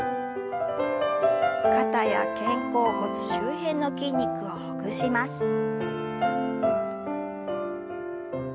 肩や肩甲骨周辺の筋肉をほぐします。